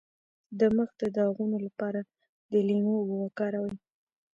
د مخ د داغونو لپاره د لیمو اوبه وکاروئ